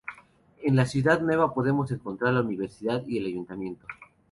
En la ciudad nueva podemos encontrar la universidad y el ayuntamiento.